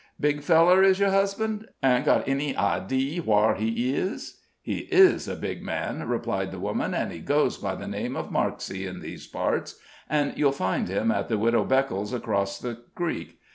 Big feller is yer husband? An' got any idee whar he is?" "He is a big man," replied the woman, "and he goes by the name of Marksey in these parts; and you'll find him at the Widow Beckel's, across the creek.